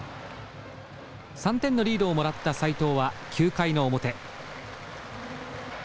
３点のリードをもらった斎藤は９回の表。